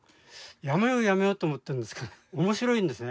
やめようやめようと思ってるんですけど面白いんですね。